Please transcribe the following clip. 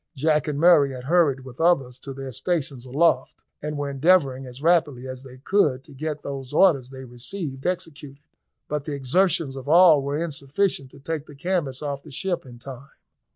Jack and Murray had hurried with others to their stations aloft, and were endeavouring as rapidly as they could to get those orders they received executed, but the exertions of all were insufficient to take the canvas off the ship in time.